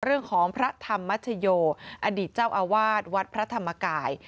พระธรรมชโยอดีตเจ้าอาวาสวัดพระธรรมกาย